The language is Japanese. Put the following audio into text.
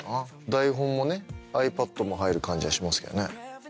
台本もねｉＰａｄも入る感じがしますけどね。